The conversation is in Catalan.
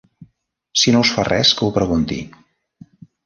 Si no us fa res que ho pregunti.